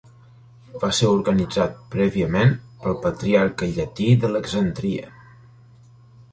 Va ser organitzat prèviament pel Patriarca llatí d'Alexandria.